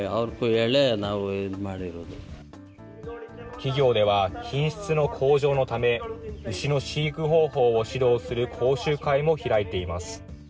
企業では、品質の向上のため、牛の飼育方法を指導する講習会も開いています。